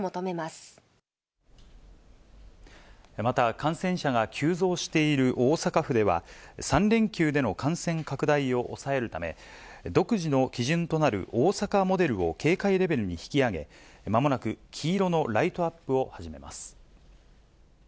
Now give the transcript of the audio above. また、感染者が急増している大阪府では、３連休での感染拡大を抑えるため、独自の基準となる大阪モデルを警戒レベルに引き上げ、まもなく黄色のライトアップを始めます。